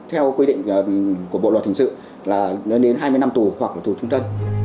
theo quy định của bộ luật hình sự là đến hai mươi năm tù hoặc tù trung tân